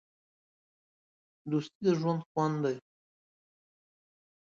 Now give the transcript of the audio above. دوستي د ژوند خوند دی.